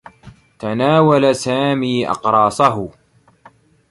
تناول سامي أقراصه.